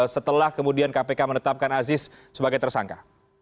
setelah kemudian kpk menetapkan aziz sebagai tersangka